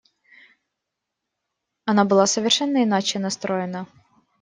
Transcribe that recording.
Она была совершенно иначе настроена.